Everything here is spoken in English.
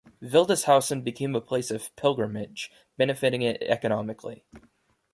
Wildeshausen became a place of pilgrimage, benefiting it economically.